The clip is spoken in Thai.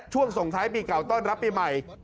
ส่งท้ายปีเก่าต้อนรับปีใหม่